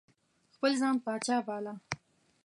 خپل ځان پاچا باله.